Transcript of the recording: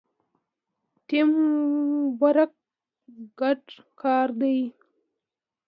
ټیم ورک ګډ کار دی